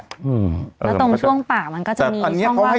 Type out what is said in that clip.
แล้วตรงช่วงปากมันก็จะมีช่องว่างให้หายใจ